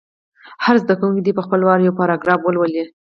هر زده کوونکی دې په خپل وار یو پاراګراف ولولي.